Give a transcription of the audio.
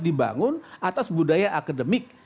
dibangun atas budaya akademik